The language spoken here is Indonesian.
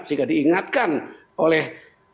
sehingga diingatkan oleh